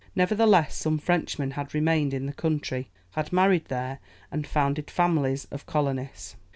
Nevertheless, some Frenchmen had remained in the country, had married there, and founded families of colonists.